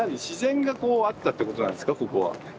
自然がこうあったってことなんですかここは。